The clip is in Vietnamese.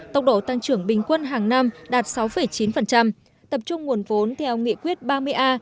tốc độ tăng trưởng bình quân hàng năm đạt sáu chín tập trung nguồn vốn theo nghị quyết ba mươi a